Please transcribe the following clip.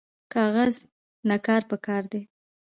کاغذ نه کار پکار دی